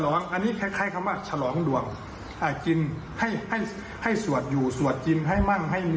ลองฟังดูนะฮะ